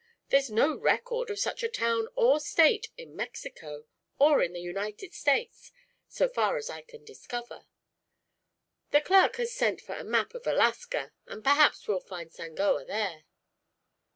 There's no record of such a town or state in Mexico, or in the United States so far as I can discover. The clerk has sent for a map of Alaska, and perhaps we'll find Sangoa there."